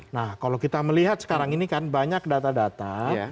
nah kalau kita melihat sekarang ini kan banyak data data